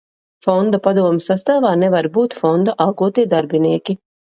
Fonda padomes sastāvā nevar būt fonda algotie darbinieki.